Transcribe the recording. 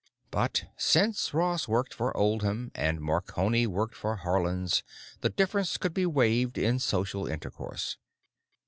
But, since Ross worked for Oldham, and Marconi worked for Haarland's, the difference could be waived in social intercourse.